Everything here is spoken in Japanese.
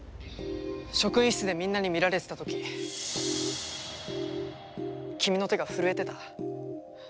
職員室でみんなに見られてた時君の手が震えてた。